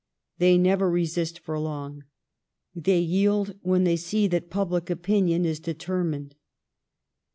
They never resist for long. They yield when they see that public opinion is determined.